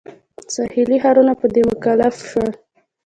ساحلي ښارونه په دې مکلف شول.